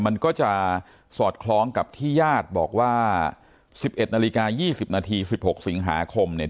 มันก็จะสอดคล้องกับที่ญาติบอกว่าสิบเอ็ดนาฬิกายี่สิบนาทีสิบหกสิงหาคมเนี้ย